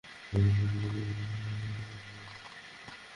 তখন সে ব্যক্তি বলবে, হে আমার প্রতিপালক!